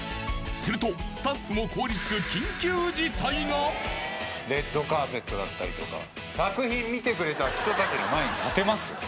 するとスタッフも凍りつく緊急事態がレッドカーペットだったりとか作品見てくれた人たちの前に立てます？